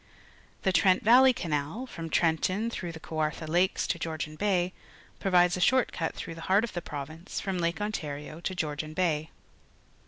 The Trent Valley Canal, from Trenton tlirough the Kaicartha Lakes to Georgian Bay, provides a short cut through the heart of the province from Lake Ontario to Georgian Bay.